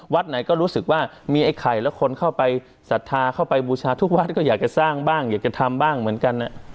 วัดไหนก็รู้สึกว่ามีไอ้ไข่และคนเข้าไปศรัทธาเข้าไปบูชาทุกวัดก็อยากจะสร้างบ้างอยากจะทำบ้างเหมือนกัน